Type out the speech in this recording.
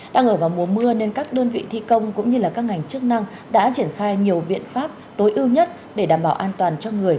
đang ở vào mùa mưa nên các đơn vị thi công cũng như các ngành chức năng đã triển khai nhiều biện pháp tối ưu nhất để đảm bảo an toàn cho người